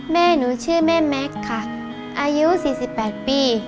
แม่หนูชื่อแม่แม็กซ์ค่ะอายุ๔๘ปี